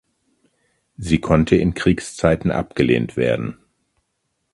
Sie konnte in Kriegszeiten abgelehnt werden.